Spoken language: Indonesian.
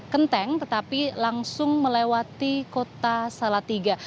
kenteng tetapi langsung melewati kota salatiga